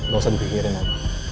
gak usah dipikirin om